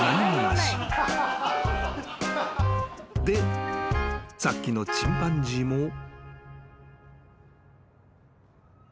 ［でさっきのチンパンジーも］